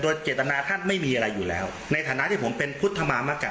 โดยเจตนาท่านไม่มีอะไรอยู่แล้วในฐานะที่ผมเป็นพุทธมามกะ